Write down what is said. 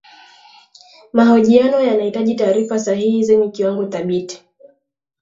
mahojiano yanahitaji taarifa sahihi zenye kiwango thabiti